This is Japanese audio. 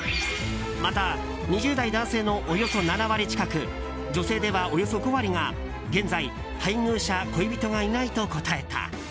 また、２０代男性のおよそ７割近く女性ではおよそ５割が現在、配偶者・恋人がいないと答えた。